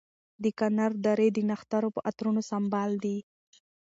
د کنر درې د نښترو په عطرونو سمبال دي.